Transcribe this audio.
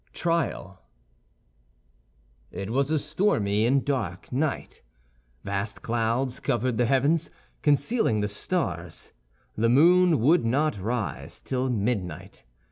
TRIAL It was a stormy and dark night; vast clouds covered the heavens, concealing the stars; the moon would not rise till midnight.